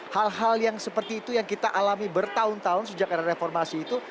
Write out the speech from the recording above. hal hal yang seperti itu yang kita alami bertahun tahun sejak era reformasi itu